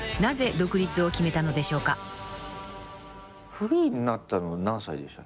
フリーになったの何歳でしたっけ？